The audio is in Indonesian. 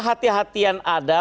tetap kehatian hatian ada